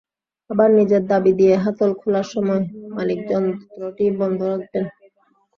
আবার নিজের চাবি দিয়ে হাতল খোলার সময় মালিক যন্ত্রটি বন্ধ রাখবেন।